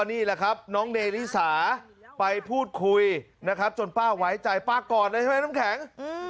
สรุปเครียดอะไรบ้าง